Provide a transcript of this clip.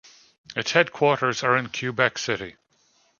Its headquarters are in Quebec City.